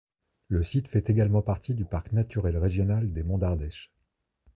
Le site fait également partie du parc naturel régional des Monts d'Ardèche.